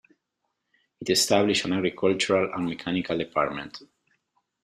It established an Agricultural and Mechanical department.